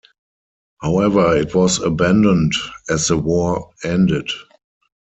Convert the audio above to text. However it was abandoned as the war ended.